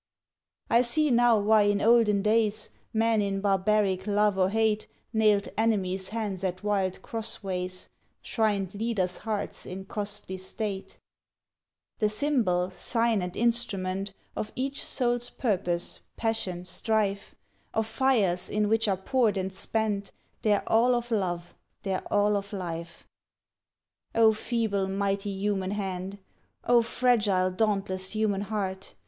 I see now why in olden days Men in barbaric love or hate Nailed enemies' hands at wild crossways, Shrined leaders' hearts in costly state: The symbol, sign, and instrument Of each soul's purpose, passion, strife, Of fires in which are poured and spent Their all of love, their all of life. O feeble, mighty human hand! O fragile, dauntless human heart!